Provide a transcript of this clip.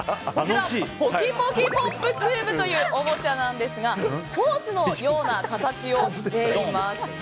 ポキポキポップチューブというおもちゃなんですがホースのような形をしています。